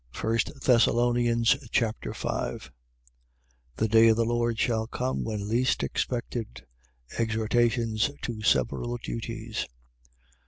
1 Thessalonians Chapter 5 The day of the Lord shall come when least expected. Exhortations to several duties.